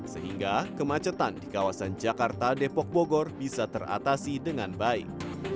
sehingga kemacetan di kawasan jakarta depok bogor bisa teratasi dengan baik